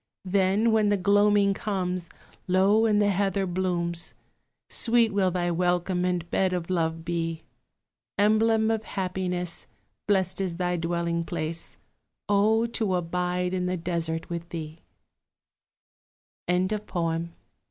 Then, when the gloaming comes, Low in the heather blooms, Sweet will thy welcome and bed of love be! Emblem of happiness, Blest is thy dwelling place O to abide in the desert with thee! JAMES HOGG.